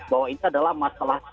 bahwa ini adalah masalah